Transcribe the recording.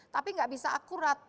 tapi enggak bisa akurat